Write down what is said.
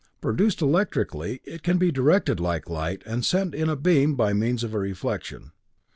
Produced electrically, it can be directed like light and sent in a beam by means of a reflection.